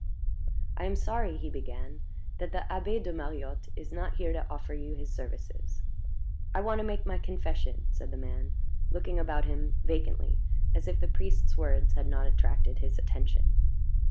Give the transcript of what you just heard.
"I am sorry," he began, "that the Abbé de Mariotte is not here to offer you his services " "I want to make my confession," said the man, looking about him vacantly, as if the priest's words had not attracted his attention.